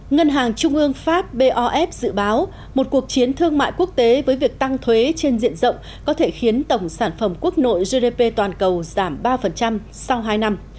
ngân hàng trung ương pháp bof dự báo một cuộc chiến thương mại quốc tế với việc tăng thuế trên diện rộng có thể khiến tổng sản phẩm quốc nội gdp toàn cầu giảm ba sau hai năm